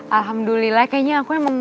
alhamdulillah kayaknya aku emang